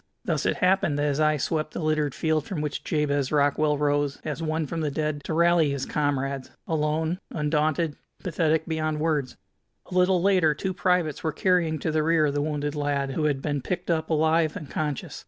Thus it happened that his eye swept the littered field from which Jabez Rockwell rose, as one from the dead, to rally his comrades, alone, undaunted, pathetic beyond words. A little later two privates were carrying to the rear the wounded lad, who had been picked up alive and conscious.